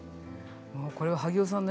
これは萩尾さん